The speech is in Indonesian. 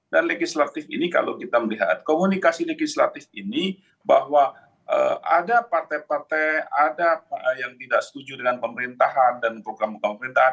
dan legislatif ini kalau kita melihat komunikasi legislatif ini bahwa ada partai partai ada yang tidak setuju dengan pemerintahan dan program pemerintahan